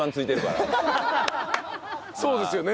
そうですよね。